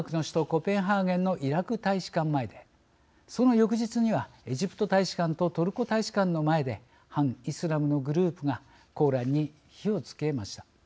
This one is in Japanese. コペンハーゲンのイラク大使館前でその翌日にはエジプト大使館とトルコ大使館の前で反イスラムのグループが「コーラン」に火をつけました。